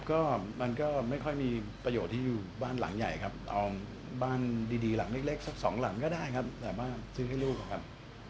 ก็มันก็ไม่ค่อยมีประโยชน์ที่อยู่บ้านหลังใหญ่ครับเอาบ้านดีหลังเล็กสักสองหลังก็ได้ครับสามารถซื้อให้ลูกครับ